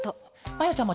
まやちゃま